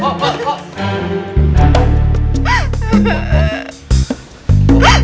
kalau masuk tuh leven